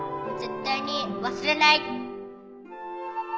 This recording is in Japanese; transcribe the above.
絶対に忘れない